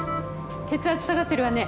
血圧下がってるわね。